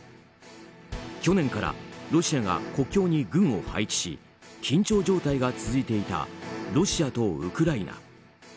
去年からロシアが国境に軍を配置し緊張状態が続いていたロシアとウクライナ。